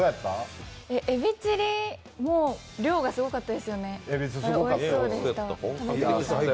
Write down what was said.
えびチリ、量がすごかったですよね。